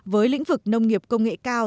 với lĩnh vực nông nghiệp công nghệ cao